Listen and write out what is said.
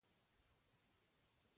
زما د پلار د قد مونو سره زموږ،